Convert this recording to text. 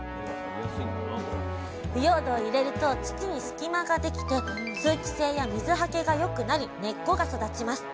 腐葉土を入れると土に隙間ができて通気性や水はけがよくなり根っこが育ちます。